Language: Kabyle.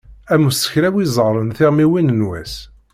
Am umseklaw iẓerren tiɣmiwin n wass